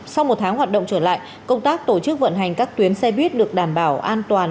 sau một tháng hoạt động trở lại công tác tổ chức vận hành các tuyến xe buýt được đảm bảo an toàn